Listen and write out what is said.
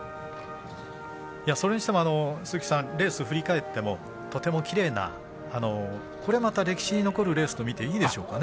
それにしても鈴木さんレースを振り返ってもとてもきれいなこれまた歴史に残るレースとみていいでしょうかね。